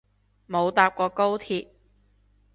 冇搭過高鐵